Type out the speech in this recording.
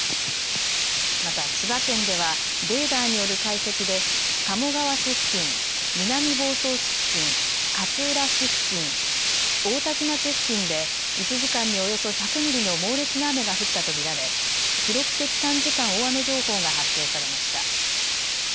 また千葉県ではレーダーによる解析で鴨川市付近、南房総市付近、勝浦市付近、大多喜町付近で１時間におよそ１００ミリの猛烈な雨が降ったと見られ記録的短時間大雨情報が発表されました。